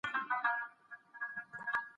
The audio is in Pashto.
هر څوک بايد خپله ونډه واخلي.